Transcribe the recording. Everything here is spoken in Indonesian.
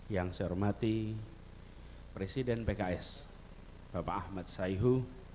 yang saya hormati presiden pks bapak ahmad saihu